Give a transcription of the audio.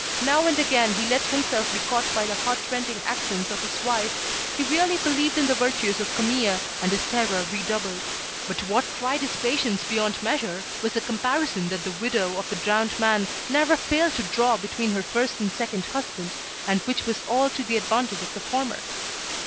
Now and again he let himself be caught by the heartrending accents of his wife. He really believed in the virtues of Camille, and his terror redoubled. But what tried his patience beyond measure was the comparison that the widow of the drowned man never failed to draw between her first and second husband, and which was all to the advantage of the former.